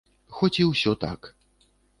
Хоць і ўсе так.